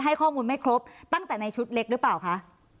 ให้ข้อมูลไม่ครบตั้งแต่ในชุดเล็กหรือเปล่าคะ